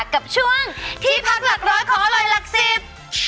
กับช่วงที่พักหลักร้อยของอร่อยหลักสิบ